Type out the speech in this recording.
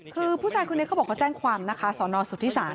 คือผู้ชายคนนี้เขาบอกเขาแจ้งความนะคะสอนอสุทธิศาส